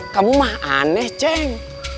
kamu mah aneh cheng